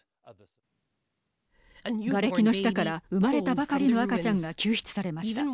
がれきの下から生まれたばかりの赤ちゃんが救出されました。